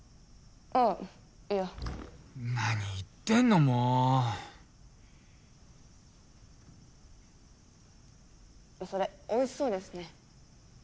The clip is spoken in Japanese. ああいや何言ってんのもうそれおいしそうですね